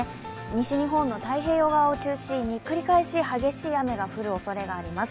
西日本の太平洋側を中心に繰り返し激しい雨が降るおそれがあります。